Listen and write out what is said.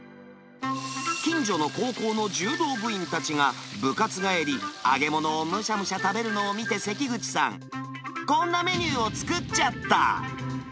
近所の高校の柔道部員たちが部活帰り、揚げ物をむしゃむしゃ食べるのを見て、関口さん、こんなメニューを作っちゃった。